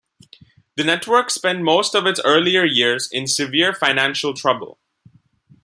The network spent most of its earlier years in severe financial trouble.